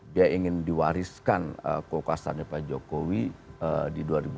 dia ingin diwariskan kekuasaannya pak jokowi di dua ribu dua puluh